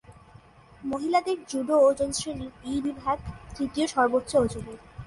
মহিলাদের জুডো ওজন শ্রেণীর এই বিভাগ তৃতীয় সর্বোচ্চ ওজনের।